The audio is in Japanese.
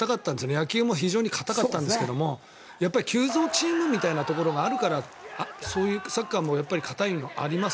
野球も非常に硬かったんですけど急造チームみたいなところがあるから、サッカーも硬いのあります。